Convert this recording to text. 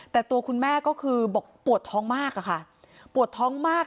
แต่ตัวคุณแม่ก็คือบอกปวดท้องมากอะค่ะปวดท้องมาก